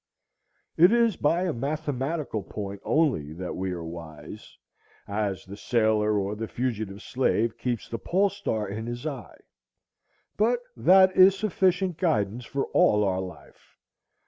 It is by a mathematical point only that we are wise, as the sailor or the fugitive slave keeps the polestar in his eye; but that is sufficient guidance for all our life.